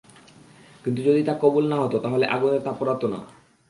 কিন্তু যদি তা কবুল না হত তাহলে আগুন তা পোড়াত না।